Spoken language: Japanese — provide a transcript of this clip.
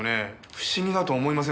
不思議だと思いませんか？